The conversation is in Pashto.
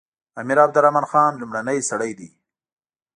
امیر عبدالرحمن لومړنی سړی دی.